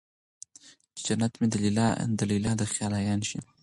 چې جنت مې د ليلا د خيال عيان شي